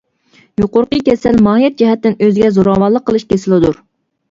يۇقىرىقى كېسەل ماھىيەت جەھەتتىن ئۆزىگە زوراۋانلىق قىلىش كېسىلىدۇر.